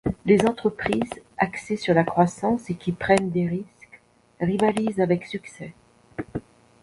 Les entreprises axées sur la croissance et qui prennent des risques rivalisent avec succès.